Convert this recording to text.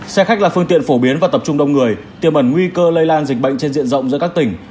xe khách là phương tiện phổ biến và tập trung đông người tiềm ẩn nguy cơ lây lan dịch bệnh trên diện rộng giữa các tỉnh